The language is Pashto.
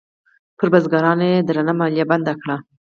پر بزګرانو یې درنه مالیه بنده کړه.